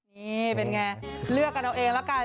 นี่เป็นอย่างไรเลือกกันเราเองแล้วกัน